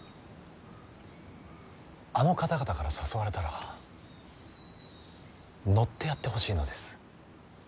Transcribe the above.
あの方々から誘われたら乗ってやってほしいのです。